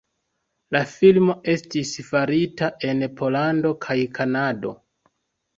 La filmo estis farita en Pollando kaj Kanado.